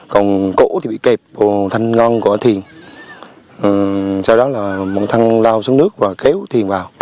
còn cổ thì bị kẹp bồ thanh ngon của thuyền sau đó là bọn thăng lao xuống nước và kéo thuyền vào